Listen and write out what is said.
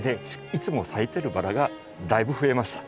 いつも咲いてるバラがだいぶ増えました。